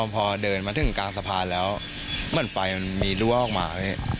พอเดินมาถึงกลางสะพานแล้วเหมือนไฟมันมีรั่วออกมาพี่